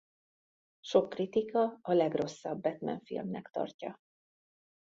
Sok kritika a legrosszabb Batman-filmnek tartja.